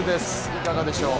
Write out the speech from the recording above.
いかがでしょう。